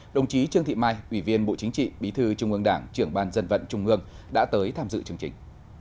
đồng chí trương thị mai ủy viên bộ chính trị bí thư trung ương đảng trưởng ban dân vận trung ương đã tới tham dự chương trình